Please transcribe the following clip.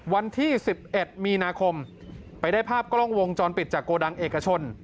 วันที่๑๑มีนาคมไปได้ภาพกล้องวงจรปิดจากโกดังเอกชน